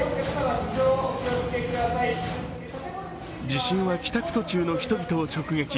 地震は帰宅途中の人々を直撃。